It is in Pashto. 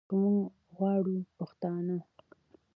که موږ غواړو پښتانه